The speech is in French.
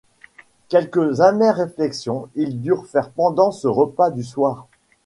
Quelles amères réflexions ils durent faire pendant ce repas du soir!